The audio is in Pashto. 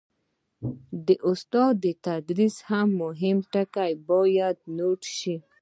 د استاد د تدریس مهم ټکي باید نوټ شي.